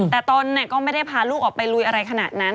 แต่ตนก็ไม่ได้พาลูกออกไปลุยอะไรขนาดนั้น